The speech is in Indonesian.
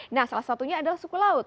nah salah satunya adalah suku laut